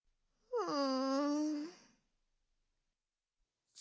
うん。